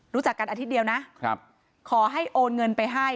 รู้จักกันอาทิตย์เดียวนะครับขอให้โอนเงินไปให้